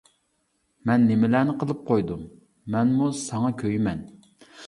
مەن نېمىلەرنى قىلىپ قويدۇم، مەنمۇ ساڭا كۆيىمەن.